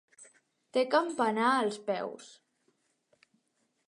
Té campanar als peus.